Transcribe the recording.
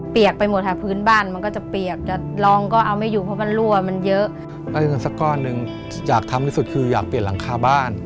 เปียกไปหมดทางพื้นบ้านมันก็จะเปียกรองเอาไม่อยู่เพราะมันรั่วมันเยอะ